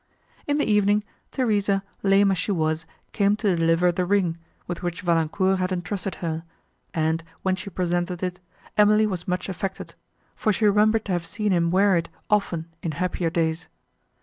In the evening, Theresa, lame as she was, came to deliver the ring, with which Valancourt had entrusted her, and, when she presented it, Emily was much affected, for she remembered to have seen him wear it often in happier days.